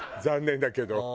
残念だけど。